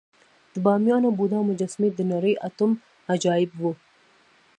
د بامیانو بودا مجسمې د نړۍ اتم عجایب وو